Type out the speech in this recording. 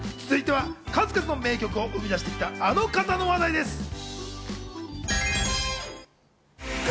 続いては数々の名曲を生み出してきた、あの方の話題です。